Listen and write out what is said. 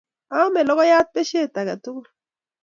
Aame lokoyat pesheet age tugul